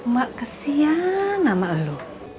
mak kesian nama lo